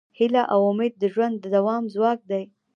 هیله او امید د ژوند د دوام ځواک دی.